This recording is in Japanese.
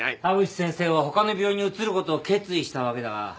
田淵先生は他の病院に移ることを決意したわけだが。